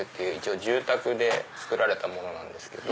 住宅で造られたものなんですけど。